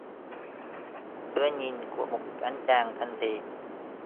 ưa Nhìn của một anh chàng thành thị